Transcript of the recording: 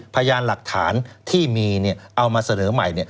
พยานหลักฐานที่มีเอามาเสนอใหม่